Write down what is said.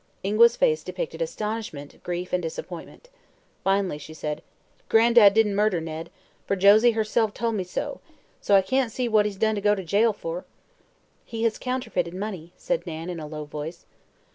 Ingua's face depicted astonishment, grief, disappointment. Finally she said: "Gran'dad didn't murder Ned, for Josie herself told me so; so I can't see what he's done to go to jail for." "He has counterfeited money," said Nan in a low voice.